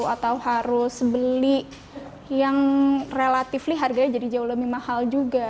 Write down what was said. atau harus beli yang relatif harganya jadi jauh lebih mahal juga